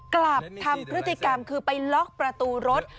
กลับทำพฤติกรรมคือไปล็อกประตูรถ